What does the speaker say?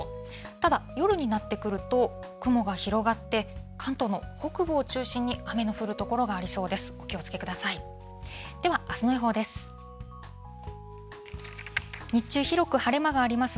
ただ、夜になってくると、雲が広がって、関東の北部を中心に雨の降る所がありそうです。